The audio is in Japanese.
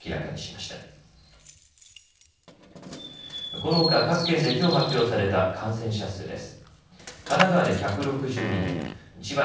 このほか各県できょう発表された感染者数です。